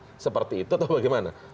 apakah seperti itu atau bagaimana